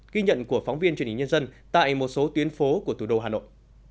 ghi nhận của phóng viên truyền hình nhân dân tại một số tuyến phố của thủ đô hà nội